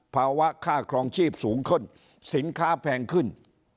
ภาวะค่าครองชีพสูงขึ้นสินค้าแพงขึ้น